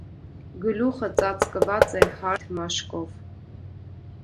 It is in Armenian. Գլուխը ծածկված է հարթ մաշկով։